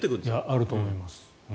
あると思います。